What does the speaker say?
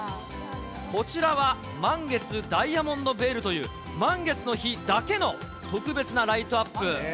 こちらは満月ダイヤモンドヴェールという、満月の日だけの特別なライトアップ。